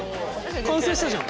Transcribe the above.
完成したじゃん。